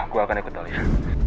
gue akan ikut dulu ya